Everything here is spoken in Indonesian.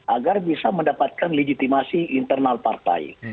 agar bisa mendapatkan legitimasi internal partai